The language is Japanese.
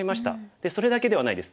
でそれだけではないです。